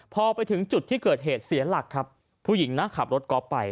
พอไปถึงจุดที่เกิดเหตุเสียหลักครับผู้หญิงนะขับรถกอล์ฟไป